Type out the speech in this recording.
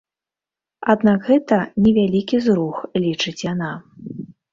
Аднак гэта невялікі зрух, лічыць яна.